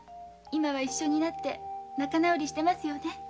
今は一緒になって仲直りしてますよね。